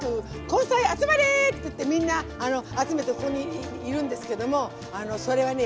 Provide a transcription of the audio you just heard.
根菜集まれって言ってみんな集めてここにいるんですけどもそれはね